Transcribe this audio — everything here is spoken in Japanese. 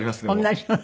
同じ。